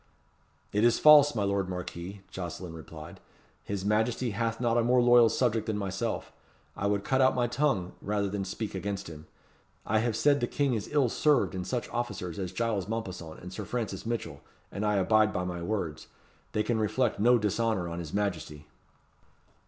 "It is false, my lord Marquis," Jocelyn replied. "His Majesty hath not a more loyal subject than myself. I would cut out my tongue rather than speak against him. I have said the King is ill served in such officers as Giles Mompesson and Sir Francis Mitchell, and I abide by my words. They can reflect no dishonour on his Majesty."